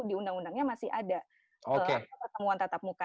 di undang undangnya masih ada pertemuan tatap muka